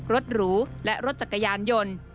หรูและรถจักรยานยนต์